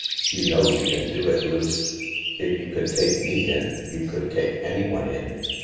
You know you can do it, Luce. If you could take me in you could take anyone in.